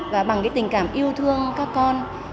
và bằng cái tình cảm yêu thương các con